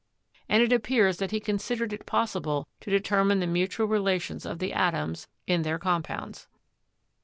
And it appears that he considered it pos sible to determine the mutual relations of the atoms in their compounds.